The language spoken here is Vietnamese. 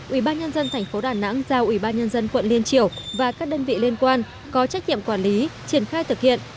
ubnd tp đà nẵng giao ubnd quận liên triều và các đơn vị liên quan có trách nhiệm quản lý triển khai thực hiện